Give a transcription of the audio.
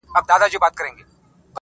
دا نه منم چي صرف ټوله نړۍ كي يو غمى دی